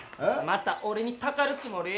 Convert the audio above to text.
また俺にたかるつもり？